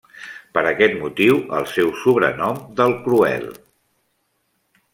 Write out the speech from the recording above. Per aquest motiu el seu sobrenom del Cruel.